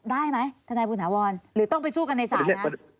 ได้ไหมทนายบุญถาวรหรือต้องไปสู้กันในศาลนะ